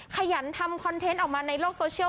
ขยันทำคอนเทนต์ออกมาในโลกโซเชียล